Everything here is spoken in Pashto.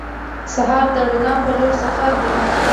سهار د رڼا په لور سفر دی.